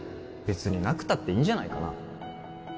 別になくたっていいんじゃないかな